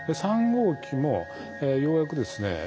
３号機もようやくですね